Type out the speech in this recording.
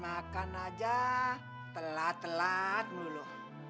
makan aja telat telat dulu